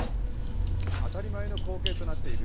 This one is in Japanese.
当たり前の光景となっている